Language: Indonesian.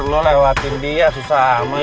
lo lewatin dia susah amat sih lo